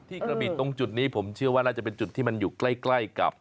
กระบีตรงจุดนี้ผมเชื่อว่าน่าจะเป็นจุดที่มันอยู่ใกล้กับ